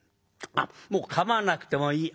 あっもうかまなくてもいい。